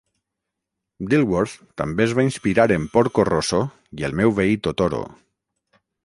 Dilworth també es va inspirar en "Porco Rosso" i "El meu veí Totoro".